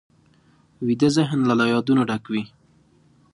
ویده ذهن له یادونو ډک وي